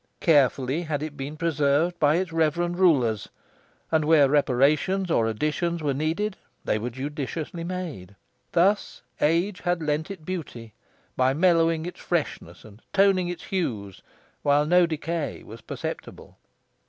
Carefully had it been preserved by its reverend rulers, and where reparations or additions were needed they were judiciously made. Thus age had lent it beauty, by mellowing its freshness and toning its hues, while no decay was perceptible.